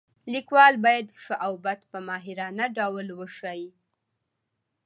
لیکوال باید ښه او بد په ماهرانه ډول وښایي.